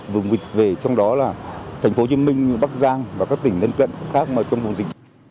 vùng dịch về trong đó là thành phố hồ chí minh bắc giang và các tỉnh gần gần khác trong vùng dịch